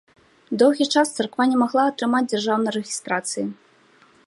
Доўгі час царква не магла атрымаць дзяржаўнай рэгістрацыі.